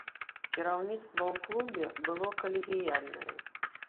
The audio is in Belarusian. Кіраўніцтва ў клубе было калегіяльнае.